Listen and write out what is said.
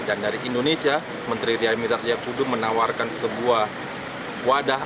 dan dari indonesia menteri ria mizar yagudu menawarkan sebuah wadah